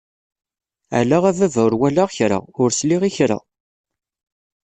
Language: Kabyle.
Ala a baba ur walaɣ kra, ur sliɣ i kra!